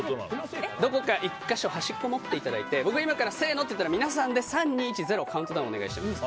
どこか１か所端っこを持ってもらって僕がせーのって言ったら皆さんで３、２、１ってカウントダウンをお願いします。